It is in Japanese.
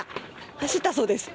走ったそうです。